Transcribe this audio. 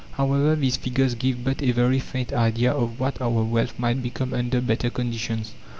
However, these figures give but a very faint idea of what our wealth might become under better conditions.